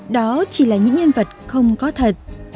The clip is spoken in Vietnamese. đó chỉ là những nhân vật không có thật